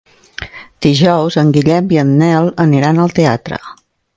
Dijous en Guillem i en Nel aniran al teatre.